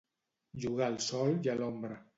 Jugar al sol i a l'ombra.